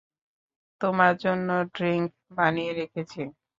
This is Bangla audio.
তোমার জন্য ড্রিঙ্ক বানিয়ে রেখেছি।